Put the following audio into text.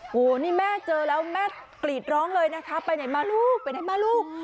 โหนี่แม่เจอแล้วแม่กรีดร้องเลยนะคะไปไหนมาลูกไปไหนมาลูก